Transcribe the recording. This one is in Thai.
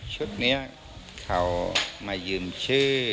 ชุดนี้เขามายืมชื่อ